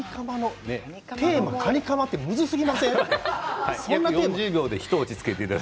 テーマがカニカマって難すぎませんか？